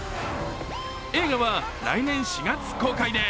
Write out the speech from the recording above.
映画は来年４月公開です。